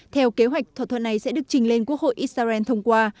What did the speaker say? theo kế hoạch thỏa thuận này sẽ được trình lên quốc hội israel thông qua